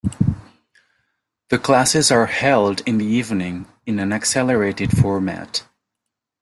The classes are held in the evening in an accelerated format.